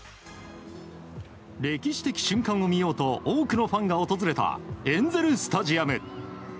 歴史的瞬間を見ようと多くのファンが訪れたエンゼル・スタジアム。